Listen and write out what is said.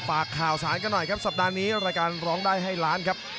ฝากข่าวสารกันหน่อยครับสัปดาห์นี้รายการร้องได้ให้ล้านครับ